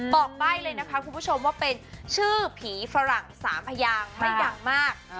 บอกใบ้เลยนะคะคุณผู้ชมว่าเป็นชื่อผีฝรั่งสามพยางไม่ดังมาก